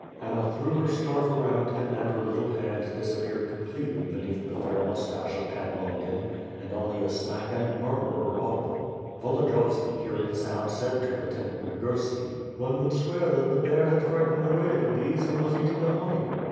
Anna threw her scarf around him and her little hand dis appeared completely beneath the fair moustache of Pan Longin, and only a smack and a murmur were audible. Volodiyovski hearing the sound said to Lieutenant Mi gurski: "One would swear that the bear had frightened away the bees and was eating the honey."